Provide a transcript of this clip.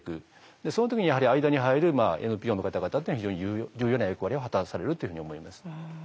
その時にやはり間に入るＮＰＯの方々っていうのは非常に重要な役割を果たされるというふうに思います。